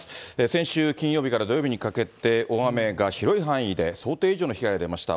先週金曜日から土曜日にかけて、大雨が広い範囲で、想定以上の被害が出ました。